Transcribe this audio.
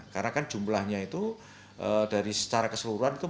karena kan jumlahnya itu dari secara keseluruhan itu empat puluh persen